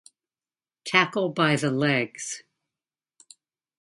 Tackle by the legs.